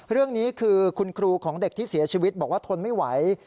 เรื่องนี้คือคุณครูของเด็กที่เสียชีวิตบอกว่าทนไม่ไหว